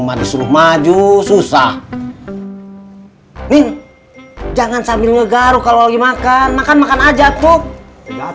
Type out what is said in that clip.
manis rumaju susah ini jangan sambil ngegaruh kalau lagi makan makan makan aja tuh nggak